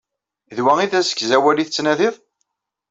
D wa i d asegzawal i tettnadiḍ?